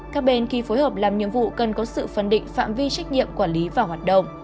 các bên khi phối hợp làm nhiệm vụ cần có sự phân định phạm vi trách nhiệm quản lý và hoạt động